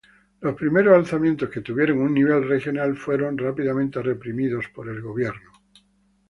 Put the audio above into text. Los primeros alzamientos, que tuvieron un nivel regional, fueron rápidamente reprimidos por el gobierno.